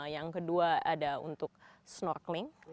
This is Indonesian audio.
yang kedua ada untuk snorkeling